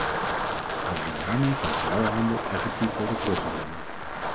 Alleen daarmee kan vrouwenhandel effectief worden teruggedrongen.